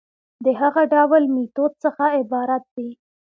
د هغه ډول ميتود څخه عبارت دي